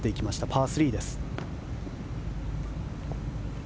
パー３です。